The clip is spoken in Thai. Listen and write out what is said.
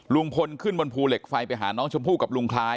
ลุงพลขึ้นบนภูเหล็กไฟไปหาน้องชมพู่กับลุงคล้าย